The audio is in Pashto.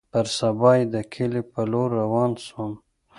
پر سبا يې د کلي په لور روان سوم.